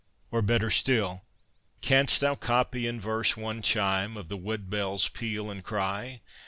Or, better still : Canst thou copy in verse one chime Of the woodbell's peal and cry